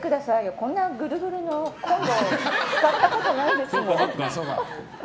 こんなぐるぐるのコンロ使ったことないですよ。